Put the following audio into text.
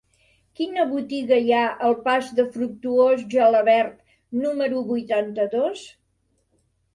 Quina botiga hi ha al pas de Fructuós Gelabert número vuitanta-dos?